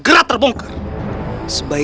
kisah kisah kisah